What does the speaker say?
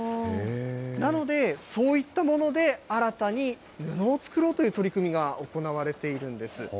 なので、そういったもので新たに布を作ろうという取り組みが行われているんです。